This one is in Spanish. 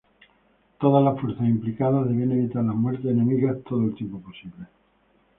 Todas las fuerzas implicadas debían evitar las muertes enemigas todo el tiempo posible.